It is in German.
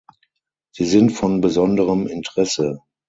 Sie sind von besonderem Interesse.